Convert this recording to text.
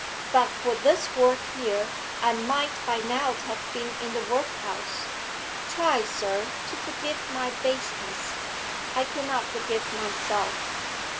But for this work here, I might by now have been in the workhouse. Try, sir, to forgive my baseness; I cannot forgive myself.'